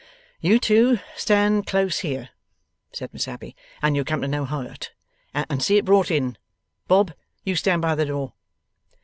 'You two stand close here,' said Miss Abbey, 'and you'll come to no hurt, and see it brought in. Bob, you stand by the door.